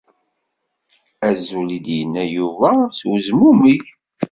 Azul, ay d-yenna Yuba s wezmumeg.